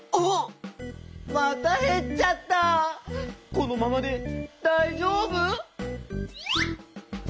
このままでだいじょうぶ？